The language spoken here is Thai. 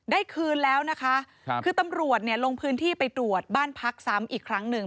คืนแล้วนะคะครับคือตำรวจเนี่ยลงพื้นที่ไปตรวจบ้านพักซ้ำอีกครั้งหนึ่ง